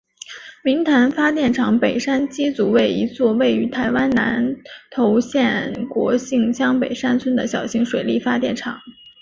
明潭发电厂北山机组为一座位于台湾南投县国姓乡北山村的小型水力发电厂。